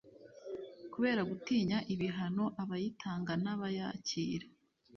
Kubera gutinya ibihano, abayitanga n’abayakira